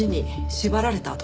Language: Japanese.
縛られた痕？